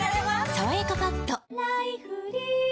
「さわやかパッド」